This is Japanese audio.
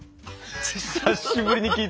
久しぶりに聞いたね。